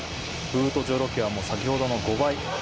ブートジョロキアも先ほどの５倍。